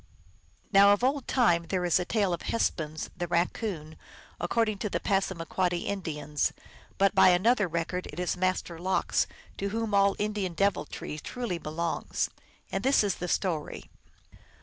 Now of old time there is a tale of Hespuns, the Raccoon, according to the Passamaquoddy Indians, but by another record it is Master Lox, to whom all Indian deviltry truly belongs. And this is the story.